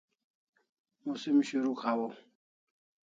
Musim shurukh hawaw